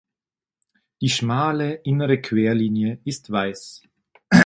Die schmale innere Querlinie ist weiß.